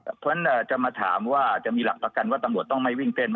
เพราะฉะนั้นจะมาถามว่าจะมีหลักประกันว่าตำรวจต้องไม่วิ่งเต้น